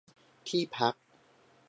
ที่พัก